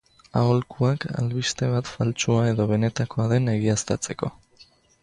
Aholkuak albiste bat faltsua edo benetakoa den egiaztatzeko.